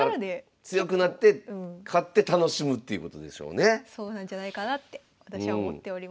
だからそうなんじゃないかなって私は思っております。